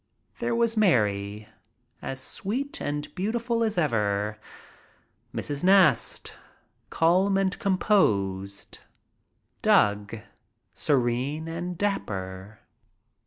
There was Mary, as sweet and beautiful as ever; Mrs. Nast, calm and composed; Doug serene and dapper.